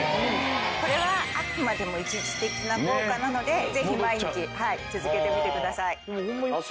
これはあくまでも一時的な効果なのでぜひ毎日続けてみてください。